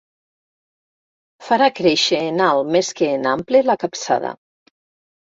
Farà créixer en alt més que en ample la capçada.